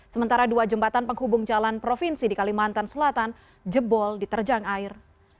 sementara dua jembatan penghubung jalan provinsi di kalimantan selatan jebol diterjang air